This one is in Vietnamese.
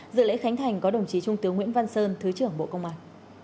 dự lễ khánh thành có đồng chí trung tướng nguyễn văn sơn thứ trưởng bộ công an